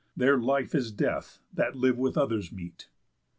_Their life is death that live with other's meat."